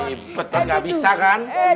ripe tergabisa kan